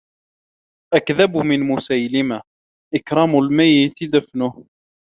أكذب من مسيلمة إكرام الميت دفنه